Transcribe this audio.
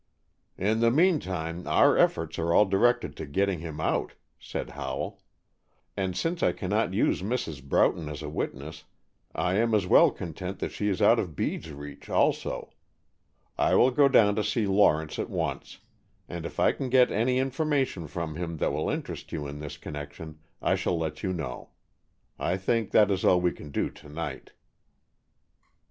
"In the meantime, our efforts are all directed to getting him out," said Howell. "And since I cannot use Mrs. Broughton as a witness, I am as well content that she is out of Bede's reach, also. I will go down to see Lawrence at once, and if I can get any information from him that will interest you in this connection, I shall let you know. I think that is all that we can do to night."